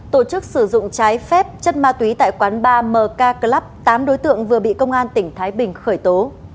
tổ chức sử dụng trái phép chất ma túy tại quán ba mlb tám đối tượng vừa bị công an tỉnh thái bình khởi tố